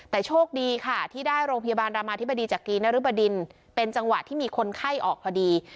แต่โชคดีค่ะที่ได้โรงพยาบาลรามาธิบดีจากกีนรึบดินเป็นจังหวะที่มีคนไข้ออกพอดี